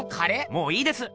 もういいです！